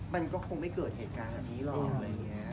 มันก็คงไม่เกิดเหตุการณ์แบบนี้เลย